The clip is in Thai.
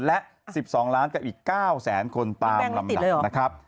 และ๑๒ล้านกับอีก๙แสนคนตามลำดับนะครับ